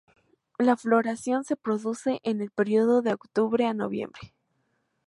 La floración se produce en el período de octubre a noviembre.